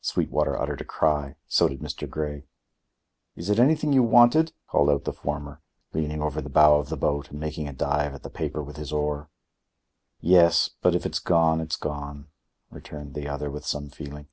Sweetwater uttered a cry, so did Mr. Grey. "Is it anything you wanted?" called out the former, leaning over the bow of the boat and making a dive at the paper with his oar. "Yes; but if it's gone, it's gone," returned the other with some feeling.